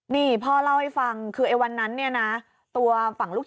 นี่พ่อเล่าให้ฟังคือไอ้วันนั้นเนี่ยนะตัวฝั่งลูก